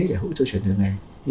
để hỗ trợ chuyển đổi nghề